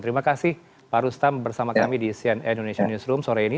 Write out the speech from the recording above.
terima kasih pak rustam bersama kami di cnn indonesia newsroom sore ini